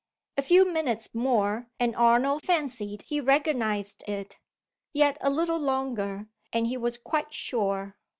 A few minutes more and Arnold fancied he recognized it. Yet a little longer, and he was quite sure.